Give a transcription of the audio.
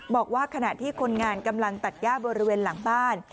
บอกว่าขณะที่คนงานกำลังตัดย่าบริเวณหลังบ้าน